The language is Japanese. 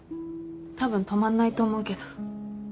たぶん泊まんないと思うけど。